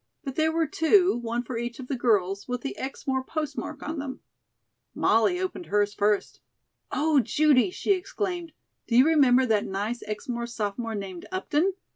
But there were two, one for each of the girls, with the Exmoor postmark on them. Molly opened hers first. "Oh, Judy," she exclaimed, "do you remember that nice Exmoor Sophomore named 'Upton?'